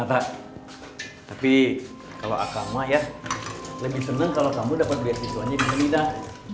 nata tapi kalau akama ya lebih seneng kalau kamu dapat beasiswanya di madinah